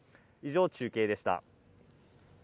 以上、中継でした。